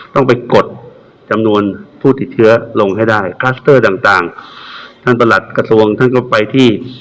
ต้องไปกดจำนวนผู้ติดเชื้อลงให้ได้คลัสเตอร์ต่างต่างท่านประหลัดกระทรวงท่านก็ไปที่